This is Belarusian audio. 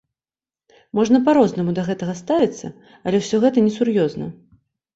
Можна па-рознаму да гэтага ставіцца, але ўсё гэта не сур'ёзна.